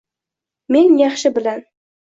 Men yaxshi bilan –